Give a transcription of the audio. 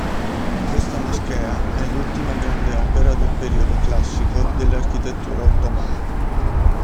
Questa moschea è l'ultima grande opera del periodo classico dell'architettura ottomana.